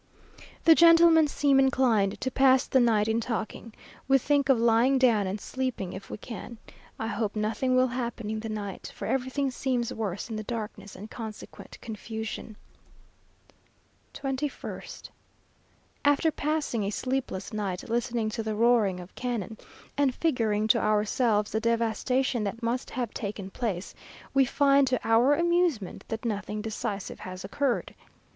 The gentlemen seem inclined to pass the night in talking. We think of lying down, and sleeping if we can. I hope nothing will happen in the night, for everything seems worse in the darkness and consequent confusion. 21st. After passing a sleepless night, listening to the roaring of cannon, and figuring to ourselves the devastation that must have taken place, we find to our amusement that nothing decisive has occurred.